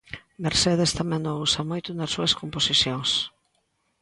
Mercedes tamén o usa moito nas súas composicións.